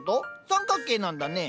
三角形なんだね。